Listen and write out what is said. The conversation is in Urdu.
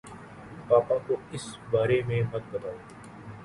پاپا کو اِس بارے میں مت بتاؤ